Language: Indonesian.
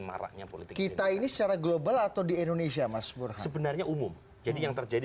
maraknya politik kita ini secara global atau di indonesia mas bur sebenarnya umum jadi yang terjadi